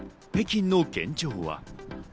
・北京の現状は。